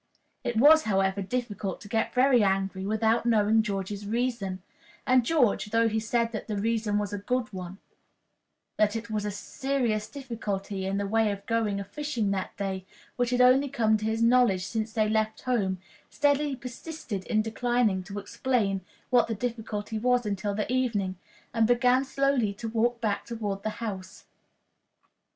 It was, however, difficult to get very angry without knowing George's reason, and George, though he said that the reason was a good one that it was a serious difficulty in the way of going a fishing that day, which had only come to his knowledge since they left home, steadily persisted in declining to explain what the difficulty was until the evening, and began slowly to walk back toward the house.